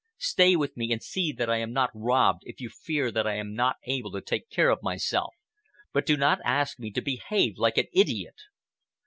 Stay with me and see that I am not robbed, if you fear that I am not able to take care of myself, but do not ask me to behave like an idiot."